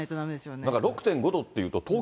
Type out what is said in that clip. なんか６．５度っていうと、東京、